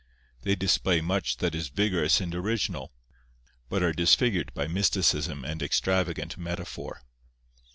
They display much that is vigorous and original, but are disfigured by mysticism and extravagant metaphor.